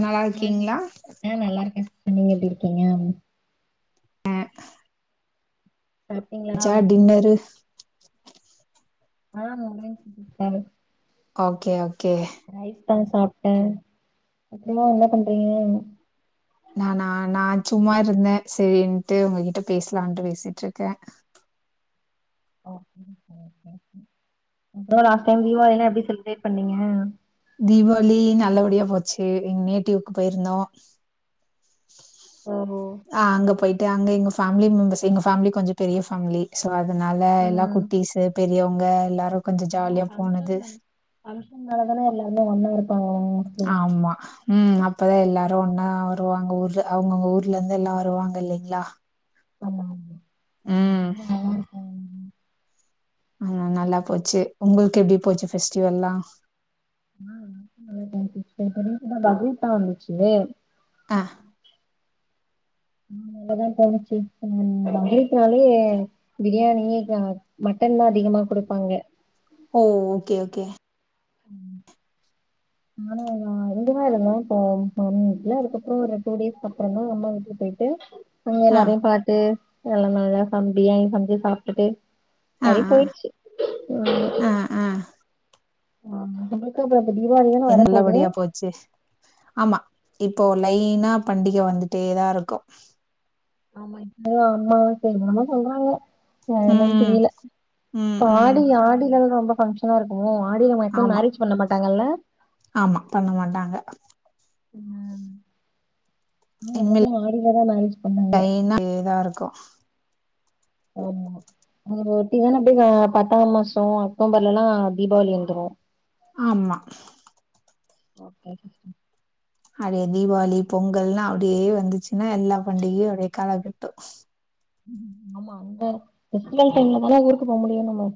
நல்லா இருக்கீங்களா ஆஹ் நல்லா இருக்கேன் சிஸ்டர் நீங்க எப்படி இருக்கீங்க ஆ சாப்ட்டீங்களா [unintelligible] ஆஹ் முடிஞ்சு சிஸ்டர் ஓகே ஓகே இப்பதான் சாப்ட்டேன் அப்பறமா என்ன பண்றீங்க நானா ந சும்மா இருந்தேன் சரின்ட்டு உங்ககிட்ட பேசலான்ட்டு பேசிட்டுருக்கேன் ஓகே அப்பறம் லாஸ்ட் டைம் தீபாளிலாம் எப்டி செலபரேட் பண்ணீங்க தீபாவளி நல்லபடியா போச்சு எங்க நேட்டிவ்க்கு போயிருந்தோம் ஓ ஆ அங்க போயிட்டு அங்க எங்க ஃபேம்லி மெம்பர்ஸ் எங்க ஃபேம்லி கொஞ்சொ பெரிய ஃபேம்லி ஸொ அதுனால எல்லா ம் குட்டீஸு பெரியவ்ங்க எல்லாரு கொஞ்சோ ஆமா ஜாலியா போனது ஃபங்க்ஷன்னால ஃபங்க்ஷன்னால தான எல்லாருமே ஒண்ணா இருப்பாங்க மோஸ்ட்லி ஆமா ம் அப்பதா எல்லாரு ஒன்னா வருவாங்க ஊர்ல அவ்ங்கவ்ங்க ஊர்லருந்து எல்லா வருவாங்க இல்லெங்ளா ஆமா ஆமா [inaudible] ஆ ந நல்லா போச்சி உங்கள்க்கு எப்டி போச்சி ஃபெஸ்ட்டிவெல்லா ஆ [inaudible] இப்ப ரீசன்ட்டா பக்ரீத்தா வந்துச்சி அ நல்லதா போனுச்சி ஆ பக்ரீத்னாலே பிரியாணி ஆ மட் டன்தா அதிகமா குடுப்பாங்க ஓ ஓகே ஓகே ம் ஆனா நா இங்கதா இருந்த இப்போ மாமி வீட்ல இதுக்கப்றோ ஒரு டூ டேஸ்கப்றொந்தா அம்மா வீட்டுக் போய் ட்டு அங்க ஆ, எல்லாரையு பாத்து எல்லா நல்லா அ பியாணி செஞ்சி சாப்ட்டுட்டு ஆ, அடியே போயிட்ச்சி அ ஆ, ஆ, ஆ. ஆ [inaudible] [inaudible] நல்லப் படியா போச்சு ஆமா இப் போ லைனா பண்டிக வந்துட்டேதா இருக்கு ஆமா இப்பயு அம்மாவாச என்னென்னமோ சொல்றாங்க என்னன் ம், புரியில ம், ம். ஆடி ஆடியில ரொம்ப பங்க்ஷனா இருக்கு கு ஆடியில மேக்சிமொ ஆமா, மேரேஜ் பண்ண மாட்டாங்கல்ல ஆமா பண்ண மாட்டாங்க ஆ அ எனக்கு இனிமேல் ஆடியிலதா மேரேஜ் பண்ணாங்க லைனா தான் இருக்கும். ஆமா ஒரு ஒட்டி தான அப்டியே ஆ பத்தாம் மாசொ அக்டோம்பர்லலா தீபாவளி வந்துரு ஆமா ஓகே அதே தீபாவளி பொங்கல்லா அ ப்டியே வந்துச்சுன்னா எல்லா பண்டிகையு அப்டியே கலக்கட்டு ஆமா அந்த ஃபெஸ்டிவெல் டைம்ல தான ஊருக்கு போ முடியு நம்ம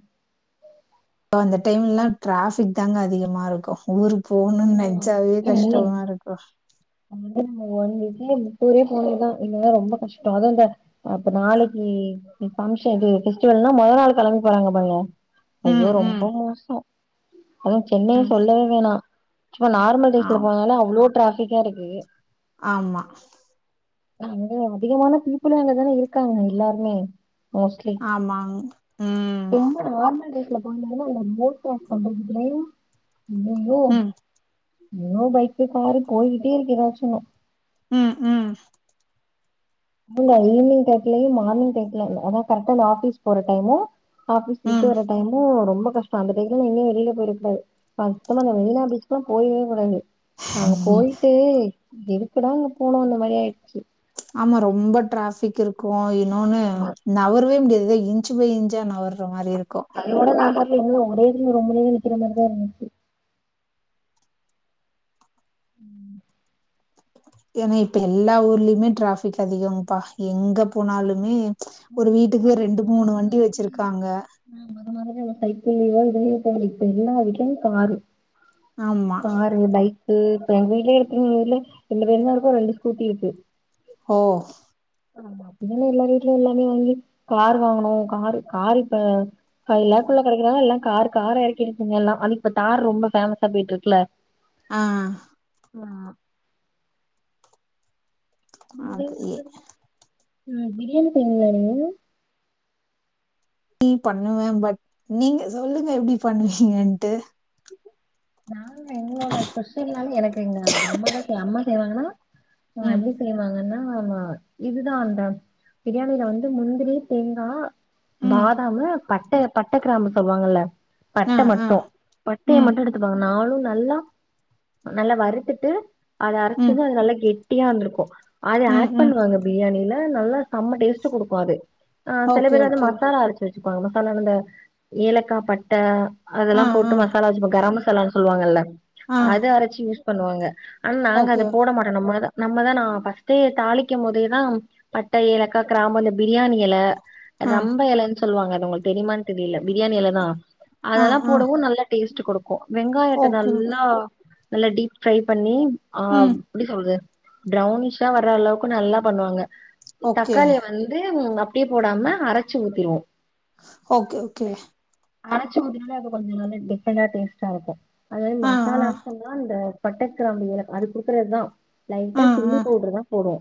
ஒ அந்த டைம்லல்லா ட்ராஃபிக் தாங்க அதிகமா இருக்கு ஊருக் போணுனு ஆமா. நென்ச்சாவே இல்ல, கஷ்டமா இருக்கு வந்து நம்ம வந்துட்டு [unintelligible] போனனுதா இல்லனா ரொம்ப கஷ்டொ அது அந்த அப்ப நாளக்கி கி ஃபங்க்ஷன் இது ஃபெஸ்டிவெல்னா மொதொ நாள் கெளம்பி போறாங்க பாருங்க ஐயோ ம், ம். ரொம்ப மோசொ அதுவு சென்னை சொல்லவே வேணா சுமா நார்மல் டேஸ்ல ஆம், போனாலே அவ்ளோ ட்ராஃபிக்கா இருக்கு ஆமா அங்க அதிகமான பீப்புளே அங்கதான இருக்காங்க எல்லார்மே மோஸ்ட்லீ ஆமாங். ம், ரொம்ப நார்மல் டே ஸ்ல போனாலுமே அங்க [unintelligible] பக்கத்லையு ஐயையோ ம், இன்னு பைக்கு காரு போய்க்கிட்டே இருக்கு ஏதாச்சு ஒன்னு ம் ம் இல்ல ஈவ்னிங் டயத்துலயு மார்னிங் டயத்துல அத் அதா கரெக்ட்டா நா ஆஃபிஸ் போற டைமு ஆஃபிஸ் ம். விட்டு வர்ற டைமு ரொம்ப கஷ்டொ அந்த டைம்ல எங்கியு வெளியில போய்றக் கூடாது [unintelligible] அந்த மெரினா பீச்சுக்குலா போய்றவே கூடாது அங்கப் போயிட்டு எதுக்குடா அங்க போனோன்ன மாரி ஆயிட்ச்சி ஆமா ரொம்ப ட்ராஃபிக் இருக்கு இன்னொன்னு ஆமா. நவ்ரவே முடியாது எதோ இஞ்ச்சு பை இஞ்ச்சா நவர் ற மாரி இருக்கு கெ இன்னு ஒரே இதுலயே ரொம்ப நேரொ நிக்கிற மாரிதா இருந்துச்சி ம் ஏனா இப்ப எல்லா ஊர்லயுமே டிராஃபிக் அதிகங்கப்பா எங்க போனாலுமே ஆனா ஒரு இப்ப வீட்டுக்கு வந்து ரெண்டு மூணு வண்டி வெச்சிருக்காங்க எங்க [unintelligible] சைக்கிள்ளா இருந்ததுபா இப்ப எல்லா வீட்லயு காரு ஆமா. காரு பை கு இப்ப எங்க விட்லேயு இருக்கு [unintelligible] ரெண்டு பெரு தா இருக்கோ ரெண்டு ஸ்கூட்டி இருக்கு ஒ ஆமா அப்டித்தானே எல்லா வீட்டுலயு எல்லாமே வாங்கி கார் வாங்கணோ கார் கார் இப்ப ஃபைவ் லாக்குல்ல கெடைக்கிறனால எல்லா கார் கார் எறக்கிச்சிங்க எல்லா அது இப்ப தார் ரொம்ப ஃபேமஸா போயிட்ருக்குல ஆ யா அது முதல்ல எ செஞ்சது ம் பிரியாணி பண்ணீங்களா நிங்க ம் பண்ணுவே பட் நீங்க சொல்லுங்க எப்டி பண்ணுவீங்கன்ட்டு நாங்க எங்களோட ஸ்பெஷல்னால எனக்கு எங்க அம்மாதா செய்வா அம்மா செய்வாங்கன்னா ஆ ம், எப்டி செய்வாங்கன்னா ஆமா ஆமா இதுதா அந்த பிரியாணியில வந்து முந்திரி தேங்கா ம், பாதாமு பட்ட பட்ட கிராம்பு சொல்லுவாங்கல்ல ஆ, பட்ட ஆ, மட்டோ பட்டைய ம், மட்டு எடுத் அந்த நாலு நல்லா நல்லா வறுத்துட்டு அத ம், அரச்சது நல்லா கெட் டியா வந்திருக்கு அது ம், ஆட் ம். பண்ணுவாங்க பிரியாணில நல்லா செம்ம டேஸ்ட் கொடுக்கு அது ஆ சில ஓகே, பேர் வந்து ஓகே. மசாலா அறச்சு வச்சுக்குவாங்க மசாலானா இந்த ஏலக்கா பட்ட அதெல்லா ஆ, போட்டு ஆ, மசாலா வச்சுப்போ கரம் மசாலான்னு சொல்லுவாங்கல்ல ஆ. அத அரச்சு யூஸ் பண்ணுவாங்க ஆனா நாங்க அது ஓகே. போட மாட்டோ நம்மளதா நம்மதா நா ஃபர்ஸ்ட்டே தாளிக்கும் போதேதா பட்ட ஏலக்கா கிராமு அந்த பிரியாணி எல ஆ, ரம்ப எலைன்னு சொல்லுவாங்க அது உங்களுக்கு தெரியுமான்னு தெரியல பிரியாணி எலதா ஆ, அதெல்லா ஆ. போடவு நல்லா டேஸ்ட்டு வெங்காயத்த ஓகே, ஓகே. நல்லா நல்லா டீப் ஃப்ரை பண்ணி அ ம். எப்டி சொல்றது ப்ரவுனிஷா வர்ற அளவுக்கு நல்லா பண்ணுவாங்க ஓகே. தக்காளிய வந்து ம அப்டியே போடாம அரச்சு ஊத்திருவோ ஓகே, ஓகே. அரச்சு ஊத்திட்டா அது கொஞ்ச நல்லா டிஃப்ரெண்டா டேஸ்ட்டா இருக்கு அதாது ஆ ஆ மசாலா சொன்னா அந்த பட்டக் கிராம்பு ஏலக் அது குடுக்கறதுதா லைட்டா ஆ சில்லி ஆ பவுடர் தா போடுவோ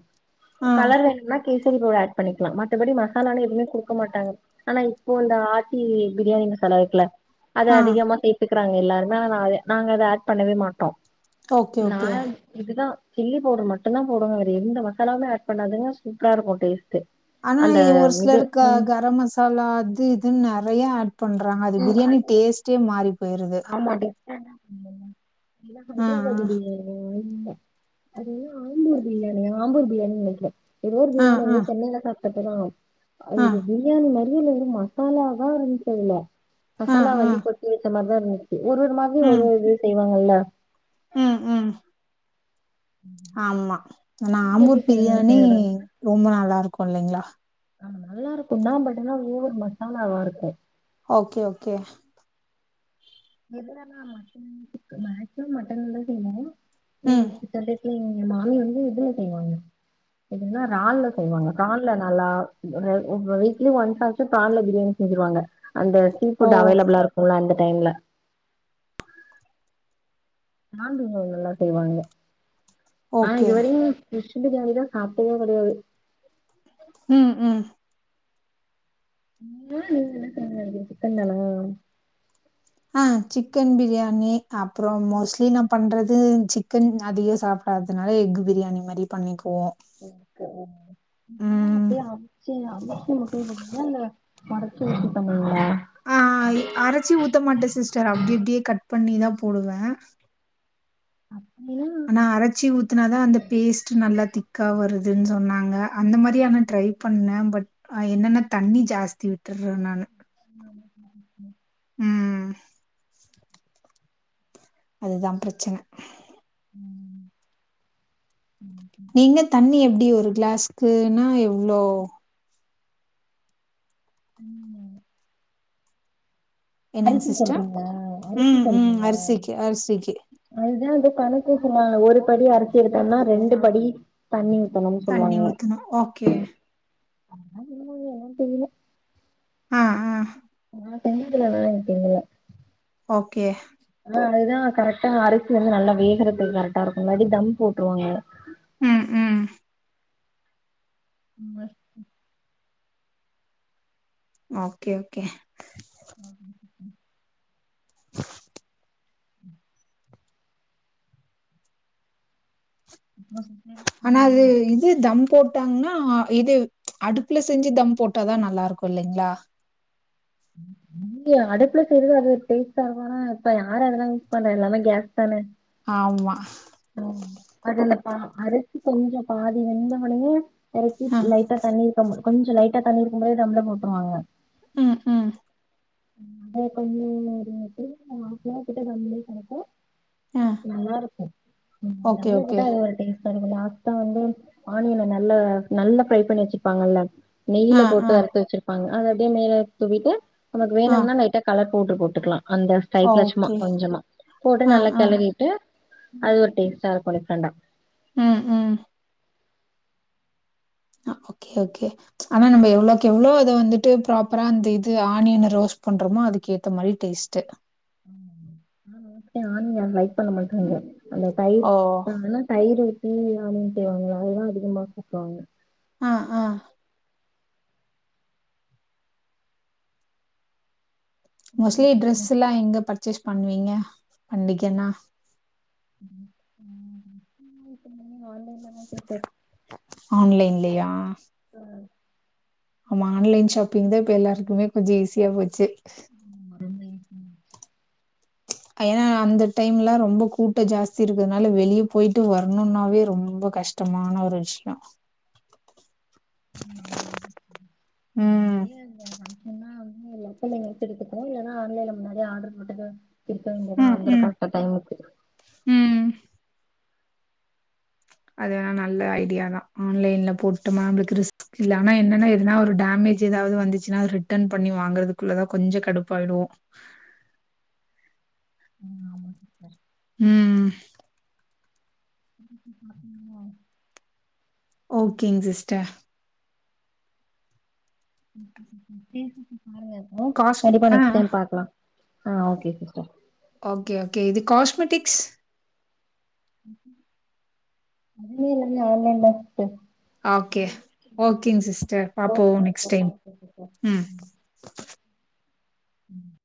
ஆ கலர் வேணுனா கே ஸரி தூளு பண்ணிக்குலா மத்தபடி மசாலானு எதுவுமே குடுக்க மாட்டாங்க ஆனா இப்போ இந்த ஆச்சி பிரியாணி மசா செல வீட்ல க்ஷ அத ஆ அதிகமா சேத்துகிறாங்க எல்லாருமே அத நாங்க அத அட் பண்ணவே மாட்டோ ஓகே நா ஓகே இதுதா சில்லி பவுடர் மட்டுதா போடுவோ வேற எந்த மசாலாவுமே அட் பண்ணாதுன்னா சூப்பரா இருக்கோ டேஸ்ட் ஆனா எ ஒரு சிலருக்கு கரம் மசாலா அது இதுன்னு நறையா ஆட் பண்றாங்க அது பிரியாணி டேஸ்ட்டே மாறி போயிருது [inaudible] ஆ ஹைதரபாத் பிரியாணி ஆமா அது ஆம்பூர் பிரியாணி ஆம்பூர் பிரியாணின்னு நனக்கிற ஏதோ ஒரு ஆ பிரியாணி ஆ வந்து சென்னையில சா ட அப்பறோ ஆ அது ஆ பிரியாணி மாரியே இல்ல வெரு மசாலாதா இருந்துச்சு அதுல ஆ மசாலா ஆ வந்து கொட்டி வெச்ச மாரிதா இருந்துச்சு ஒரு ஒரு மாதிரி ஒரு ம் ஒரு இது செய்வாங்கல்ல ம் ம் ஆமா எனா நீங்க எப்டி ஆம்பூர் செய்வீங்க பிரியாணி செய்றது ரொம்ப நல்லா இருக்கோ இல்லைங்களா ஆ நல்லா இருக்கோதா பட் அனா ஒவர் மசாலாவா இருக்கு ஓகே ஓகே எதுலனா மட்டனா சிக்கன் மேக்சிமம் மட்டன்லதா செய்வாங்க இல்ல ஏ ம் சிக்கன்லயே செய்வாங்க நா வந்து இதுல செய்வாங்க எதுனா ரான்ல செய்வாங்க ப்ரான்ல நல்லா ஒரு ஒரு வீக்லி ஒன்ஸ் ஆச்சி ப்ரான்ல பிரியாணி செஞ்சருவாங்க அந்த சீ ஓ ஃபுட் அவைலபிளா இருக்குல அந்த டைம்ல நான் வெஜ் அவுங்க நல்லா செய்வாங்க நா ஓகே இது வரையு [unintelligible] பிரியாணி லா சாப்ட்டதே கெடையாது ம் ம் [inaudible] என்ன சொன்ன சிக்கன் தானா ஹா சிக்கன் பிரியாணி அப்றோ மோஸ்லி நா பண்றது ந்து சிக்கன் அதிகோ சாப்டாதுனால எக்கு பிரியாணி மாரி பண்ணிக்க எக்கா எக்குனா ம் அப்டே அவுச்சு அவுச்சி [unintelligible] இல்ல ஒடச்சி ஊத்தி பண்ணுவியா ஆ ய் அரைச்சி ஊத்த மாட்ட சிஸ்டர் அப்டி அப்டியே கட் பண்ணிதா போடுவ அம் ஆனா அரைச்சி ஊத்துனாதா அந்த பேஸ்ட் நல்லா திக்கா வருதுன் சொன்னாங்க அ அந்த மாரி ஆனா ட்ரை பண்ண பட் என்னன்னா தண்ணி ஜாஸ்தி விட்டுர்ற நானு ம் அதுதா ப்ரச்சன இல்லனா நீங்க தண்ணி எப்டி ஒரு கிளாஸ்க்குனா இவ்ளோ உம் என்னங்க அரிசி சிஸ்டர் சொல்றிங்ளா அரிசி ம் ம் சொல்றிங்கள அரிசிக்கு அரிசிக்கு அதுதா கல த்துகுமா ஒரு படி அரிசி எடுதிங்னா ரெண்டு படி தண்ணி ஊ தண்ணி ஊத்ணு ஓகே அதுதா [unintelligible] தெரில ஆ ஆ ஆ [unintelligible] இருக்கிங்கள ஓகே அதுதா கரெக்டா அரிசி வந்து நல்லா வேகறத்துக்கு கரெக்டா இருக்கோ இல்லாட்டி தம் போட்ருவங்க ம் ம் [unintelligible] ஓகே ஓகே ஹா ம் ம் ஆனா அது இது தம் போட்டாங்னா இது அடுப்புல செஞ்சு தம் போட்டாதா நல்லா இருக்கு இல்லைங்ளா இல்லியே அடுப்புல செய்றது அது ஒரு டேஸ்ட்டாருக்கு ஆனா இப்ப யாரு அதெல்லா யுஸ் பண்றா எல்லாமே கேஸ் தான ஆம்மா ஆ அரிசி கொஞ்சோ பாதி வெந்தவோடனே பேரட்டி ஆ லைட்டா தண்ணி ஊத்த கொஞ்சோ லைட்டா தண்ணி இருக்கும்போதே தம்ல போட்ருவாங்க ம் ம் [inaudible] ஆ நல்லாருக்கு ஓகே தம்ல ஓகே போட்டா அது ஒரு டேஸ்ட் சரி இப்ப லாஸ்டா வந்து ஆனியன நல்லா நல்லா ஃப்ரை பண்ணி வச்சிருப்பாங்கல்ல ஆ நெய்ல போட்டு ஆ வறுத்து வச்சிருப்பாங்க அத அப்டே மேல தூவிட்டு நமக்கு ஆ வேணும்னா லைட்டா கலர் போவுட்ரு போட்டுக்கலா அந்த சைய்ட்ல சும்மா ஓகே கொஞ்சமா போட்டு ஆ நல்லா ஆ கெளறிட்டு அது ஒரு டேஸ்ட்டாருக்கு டிஃப்ரண்ட்டா ம் ம் ஆ, ஓகே ஓகே ஆனா நம எவ்ளோக் எவ்ளோ இத வந்துட்டு ப்பாப்பரா அந்த இது ஆனியன ரோஸ்ட் பண்றமோ அதுக்கேத்த மாரி டேஸ்ட்டு ம் ம் [inaudible] ஆனியன லைக் பண்ண மாட்டாங்க அந்த தயிர் ஓ ஆனா தயிர் உத்தி ஆனியன் செய்வாங்கல அவங்க தா அதிகமா சாப்டுவாங்க ஆ ஆ மோஸ்ட்லி டிரெஸ் எல்லா எங்க பர்ச்சேஸ் பண்ணுவீங்க பண்டிகன்னா ஆன்லைன்ல தா சிஸ்டர் ஆன்லைன்லையா உ நம்ம ஆன்லைன் ஷாப்பிங் தா இப்ப எல்லாருக்குமே கொஞ்சம் ஈஸியா போச்சு ம் ஆன்லைன் தா ஏன்னா அந்த டைம்ல ரொம்ப கூட்டோ ஜாஸ்தி இருக்குறதுனால வெளிய போயிட்டு வரணும்னாவே ரொம்ப கஷ் டமான ஒரு விஷயோ ம் அம் ம் முன்னாடியே இந்த ஃபங்ஷன்னா லோக்கல்ல எங்கயாச்சு எடுத்துக்கோ இல்லன்னா ஆன்லைன்ல முன்னாடியே ஆர்டர் போட்டது இப்ப இங்கதா ம் வந்துருக்கு ம் கரெக்ட் டைமுக்கு ம் அது வேணா நல்ல ஐடியா தா ஆன்லைன்ல போட்டு நமளுக்கு ரிஸ்க் இல்ல ஆனா என்னன்ன எதனா ஒரு டேமே மேஜ் ஏதாவது வந்துச்சுன்னா ரிட்டன் பண்ணி வாங்கறதுக்குள்ளதா கொஞ்சோ கடுப்பாயிடுவோ [inaudible] ஆமா சிஸ்டர் ம் [unintelligible] ஓகேங்க சிஸ்டர் [unintelligible] பாருங்க காஸ் கண்டிப்பா ஆ நெக்ஸ்ட் டைம் பாக்கலா ஆ ஓகே சிஸ்டர் ஓகே ஓகே இது காஸ்மெட்டிக்ஸ் அதுமே எல்லாமே ஆன்லைன் தா சிஸ்டர் ஓகே ஓகேங்க சிஸ்டர் பாப்போ okay next sister time thank you sister ம் [inaudible] ம்